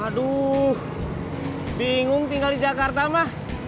aduh bingung tinggal di jakarta mah